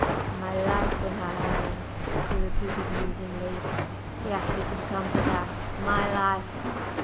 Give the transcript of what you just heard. "My life in her hands!" he repeated musingly. "Yes, it has come to that! My life!"